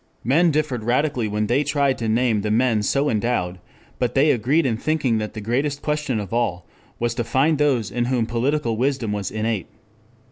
Men differed radically when they tried to name the men so endowed; but they agreed in thinking that the greatest question of all was to find those in whom political wisdom was innate.